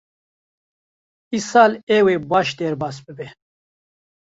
Îsal ew ê baş derbas bibe.